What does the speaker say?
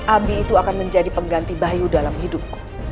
abi itu akan menjadi pengganti bayu dalam hidup